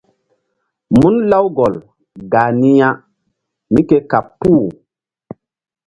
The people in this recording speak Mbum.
Mun Lawgol gah ni ya mí ke kaɓ puh.